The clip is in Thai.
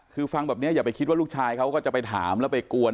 คือฟังแบบนี้อย่าไปคิดว่าลูกชายเขาก็จะไปถามแล้วไปกวน